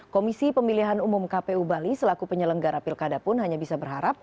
komisi pemilihan umum kpu bali selaku penyelenggara pilkada pun hanya bisa berharap